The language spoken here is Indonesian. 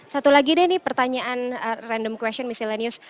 satu lagi deh nih pertanyaan random question missy lenius